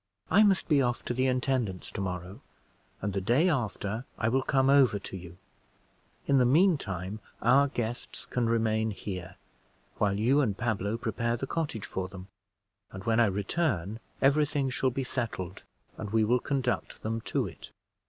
I must be off to the intendant's to morrow, and the day after I will come over to you. In the mean time, our guests can remain here, while you and Pablo prepare the cottage for them; and when I return every thing shall be settled, and we will conduct them to it.